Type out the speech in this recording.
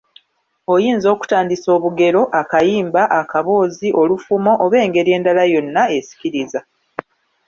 Oyinza okutandisa obugero, akayimba, akaboozi, olufumo oba engeri endala yonna esikiriza.